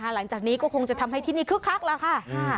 หลังจากนี้ก็คงจะทำให้ที่นี่คึกคักแล้วค่ะ